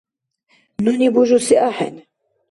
– Нуни бужуси ахӀен.